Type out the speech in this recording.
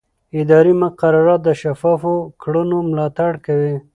اداري مقررات د شفافو کړنو ملاتړ کوي.